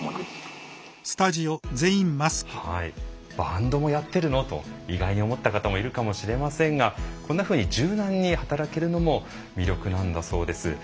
バンドもやってるの？と意外に思った方もいるかもしれませんがこんなふうに柔軟に働けるのも魅力なんだそうです。